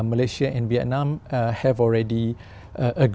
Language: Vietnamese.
mà lây si a và việt nam đã tìm kiếm